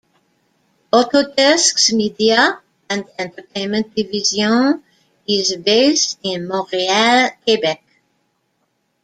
Autodesk's Media and Entertainment Division is based in Montreal, Quebec.